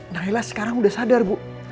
naila sekarang udah sadar bu